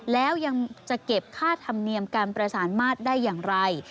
แล้วยังจะเก็บค่าธรรมเนียมการประสานมาตรได้อย่างไร